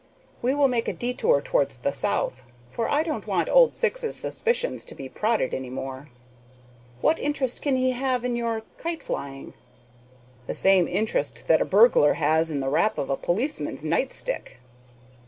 We will make a detour towards the south, for I don't want old Syx's suspicions to be prodded any more." "What interest can he have in your kite flying?" "The same interest that a burglar has in the rap of a policeman's night stick."